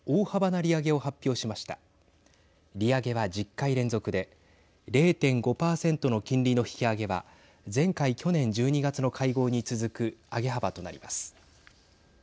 利上げは１０回連続で０．５％の金利の引き上げは前回、去年１２月の会合に続く上げ幅となります。